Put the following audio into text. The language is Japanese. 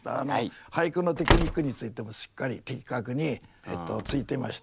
俳句のテクニックについてもしっかり的確についていましたしね。